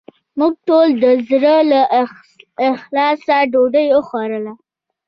موږ ټولو د زړه له اخلاصه ډوډې وخوړه